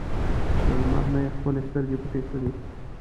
له لمر نه یې خپلې سترګې پټې کړې.